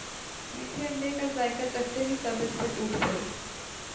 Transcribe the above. میٹھے انڈے کا ذائقہ چکھتے ہی سب اس پر ٹوٹ پڑے